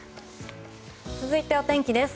続いてお天気です。